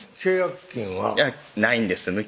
契約金はないんです